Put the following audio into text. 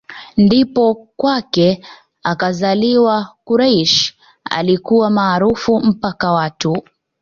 Ndipo kwake akzaliwa Quraysh aliyekuwa maarufu mpaka watu